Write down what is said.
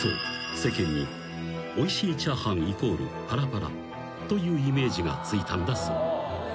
世間においしいチャーハンイコールパラパラというイメージがついたんだそう］